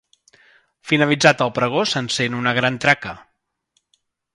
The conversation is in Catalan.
Finalitzat el pregó s'encén una gran traca.